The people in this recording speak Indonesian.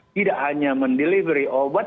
tidak hanya mendelivery obat